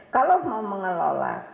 kalau mau mengelola